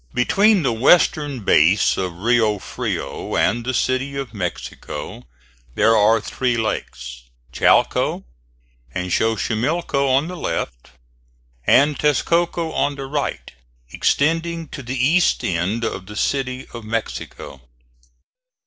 Between the western base of Rio Frio and the City of Mexico there are three lakes, Chalco and Xochimilco on the left and Texcoco on the right, extending to the east end of the City of Mexico.